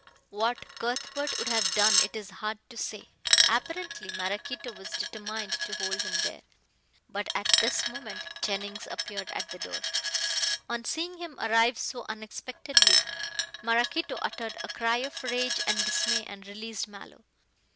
What Cuthbert would have done it is hard to say. Apparently Maraquito was determined to hold him there. But at this moment Jennings appeared at the door. On seeing him arrive so unexpectedly, Maraquito uttered a cry of rage and dismay, and released Mallow.